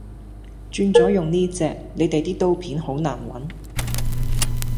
轉咗用呢隻，你地啲刀片好難搵